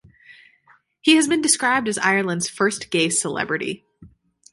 He has been described as Ireland's first gay celebrity.